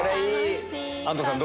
安藤さん